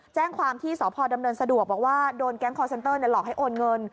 แจ้งความที่สพดำเนินสะดวกบอกว่าโดนแก๊งคอร์เซ็นเตอร์หลอกให้โอนเงิน